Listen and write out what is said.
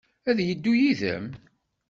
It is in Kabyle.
Ad yeddu yid-m?